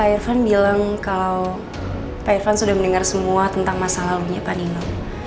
pak irvan bilang kalau pak irvan sudah mendengar semua tentang masa lalunya pak nino